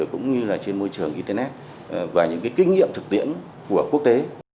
cũng như là trên môi trường internet và những kinh nghiệm thực tiễn của quốc tế